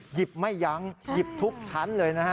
หยิบไม่ยั้งหยิบทุกชั้นเลยนะฮะ